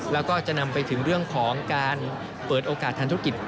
แล้วก็จะนำไปถึงเรื่องของการเปิดโอกาสทางธุรกิจ